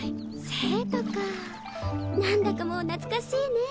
西都か何だかもう懐かしいね。